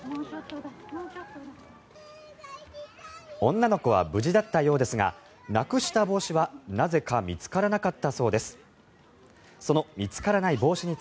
女の子は無事だったようですがなくした帽子はなぜか見つからなかったそうです。